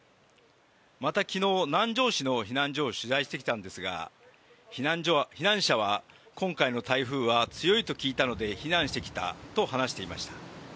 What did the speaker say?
また昨日、南城市の避難所を取材してきたんですが避難者は今回の台風は強いと聞いたので避難してきたと話していました。